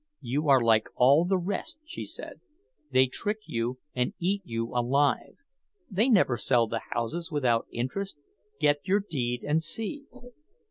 "You are like all the rest," she said; "they trick you and eat you alive. They never sell the houses without interest. Get your deed, and see."